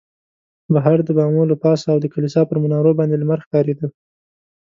بهر د بامو له پاسه او د کلیسا پر منارو باندې لمر ښکارېده.